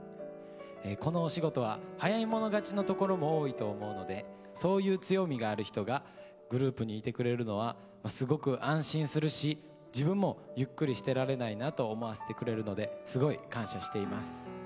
このお仕事は早い者勝ちのところも多いと思うのでそういう強みがある人がグループにいてくれるのはすごく安心するし自分もゆっくりしてられないなと思わせてくれるのですごい感謝しています。